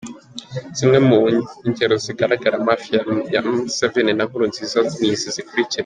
Zimwe mu ingero zigaragaza Mafia ya Museveni na Nkurunziza nizi zikurikira;